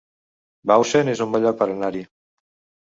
Bausen es un bon lloc per anar-hi